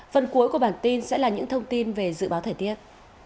phần cuối của bản tin sẽ là những thông tin về dự báo thời tiết